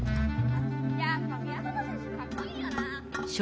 やっぱ宮園せんしゅかっこいいよな！